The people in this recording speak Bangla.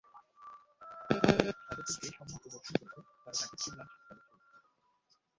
তাদেরকে যেই সম্মান প্রদর্শন করেছে, তারা তাকে চির লাঞ্ছিত করে ছেড়েছে।